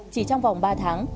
chỉ trong vòng ba tháng